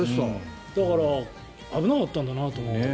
だから危なかったんだなと思って。